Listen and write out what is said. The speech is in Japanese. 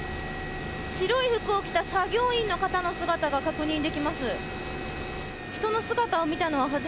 白い服を着た作業員の方の姿が確認できます。